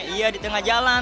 iya di tengah jalan